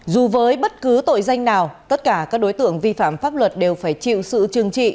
dù với bất cứ tội danh nào tất cả các đối tượng vi phạm pháp luật đều phải chịu sự trừng trị